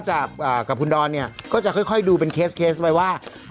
จากกับคุณด้อนก็จะค่อยดูเป็นเคสไปว่า